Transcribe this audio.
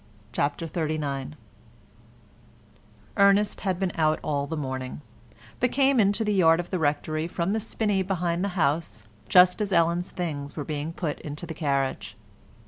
CHAPTER XXXIX Ernest had been out all the morning, but came in to the yard of the Rectory from the spinney behind the house just as Ellen's things were being put into the carriage.